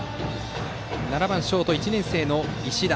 バッターは７番ショート、１年生の石田。